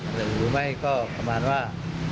หรือรู้ไหมก็ประมาณว่า